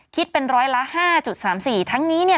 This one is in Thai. คิดเป็นร้อยละ๕๓๔ทั้งนี้เนี่ย